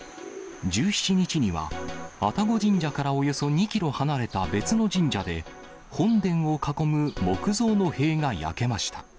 １７日には、愛宕神社からおよそ２キロ離れた別の神社で、本殿を囲む木造の塀が焼けました。